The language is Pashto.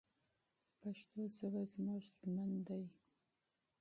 پښتو ژبه زموږ ژوند دی.